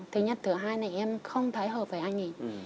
thứ nhất thứ hai là em không thấy hợp với anh ấy